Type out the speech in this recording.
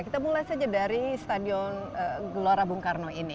kita mulai saja dari stadion gelora bung karno ini